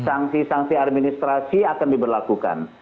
sanksi sanksi administrasi akan diberlakukan